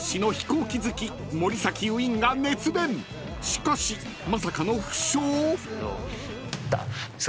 ［しかしまさかの負傷？］